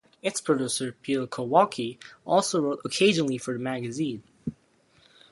Its producer, Peter Kowalke, also wrote occasionally for the magazine.